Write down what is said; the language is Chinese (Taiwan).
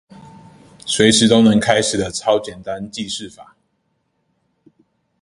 隨時都能開始的超簡單記事法